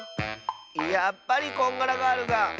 やっぱりこんがらガールが。